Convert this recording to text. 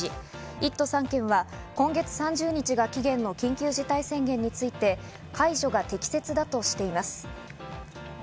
１都３県は今月３０日が期限の緊急事態宣言について、解除が適切だとしています。